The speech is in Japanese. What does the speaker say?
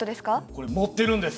これ持ってるんです。